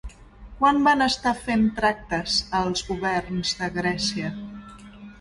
Quan van estar fent tractes, els governs de Grècia?